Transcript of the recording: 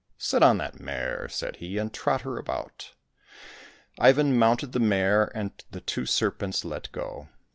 " Sit on that mare," said he, " and trot her about !" Ivan mounted the mare, and the two serpents let go.